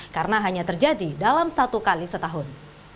karena hanya terjadi dalam satu kali setahun